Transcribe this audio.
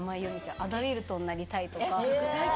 アダイウトンになりたいとか。